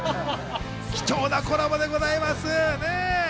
貴重なコラボでございました。